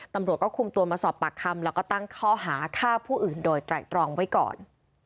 ตำรวจก็คุมตัวมาสอบปากคำแล้วก็ตั้งข้อหาฆ่าผู้อื่นโดยไตรตรองไว้ก่อน